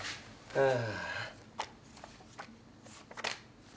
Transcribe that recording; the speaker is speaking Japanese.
ああ。